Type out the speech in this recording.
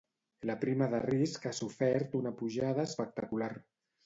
La prima de risc ha sofert una pujada espectacular.